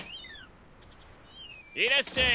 いらっしゃい！